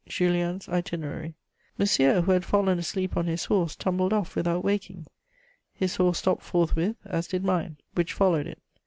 JULIEN'S ITINERARY. "Monsieur, who had fallen asleep on his horse, tumbled off without waking. His horse stopped forthwith, as did mine, which followed it.